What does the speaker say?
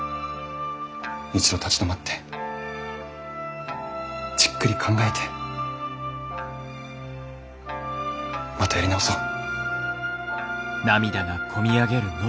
一度立ち止まってじっくり考えてまたやり直そう。